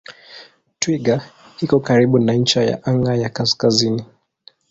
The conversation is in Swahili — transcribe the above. Twiga iko karibu na ncha ya anga ya kaskazini.